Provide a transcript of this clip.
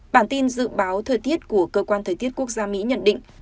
bản tin dự báo thời tiết của cơ quan thời tiết quốc gia mỹ nhận định